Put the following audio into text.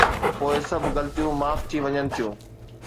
پوءِ سڀ غلطيون معاف ٿي وڃن ٿيون.